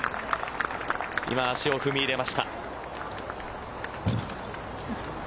今、足を踏み入れました。